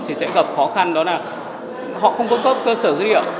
thì sẽ gặp khó khăn đó là họ không cung cấp cơ sở dữ liệu